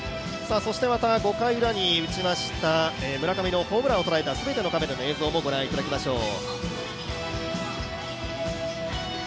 そして５回ウラに打ちました村上のホームランを捉えた全てのカメラの映像もご覧いただきましょう。